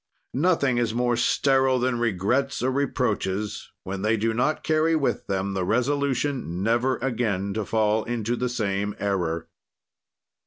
"Nothing is more sterile than regrets or reproaches when they do not carry with them the resolution never again to fall into the same error."